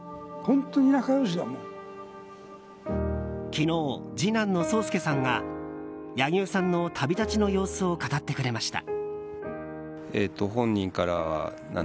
昨日、次男の宗助さんが柳生さんの旅立ちの様子を語ってくれました。